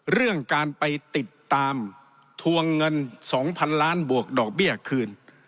เรื่องการไปติดตามทวงเงิน๒๐๐๐ล้านบวกดอกเบี้ยคืน